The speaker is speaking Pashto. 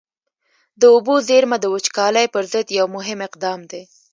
د اوبو زېرمه د وچکالۍ پر ضد یو مهم اقدام دی.